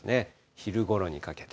昼ごろにかけて。